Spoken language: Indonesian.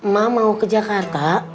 ma mau ke jakarta